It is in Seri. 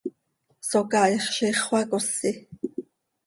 Socaaix ziix xöacosi.